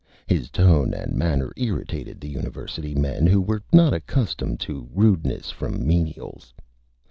His Tone and Manner irritated the University Men, who were not accustomed to Rudeness from Menials.